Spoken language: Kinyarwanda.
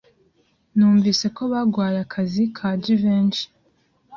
Numvise ko baguhaye akazi ka Jivency.